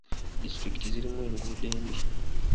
Disitulikiti zirimu enguudo embi.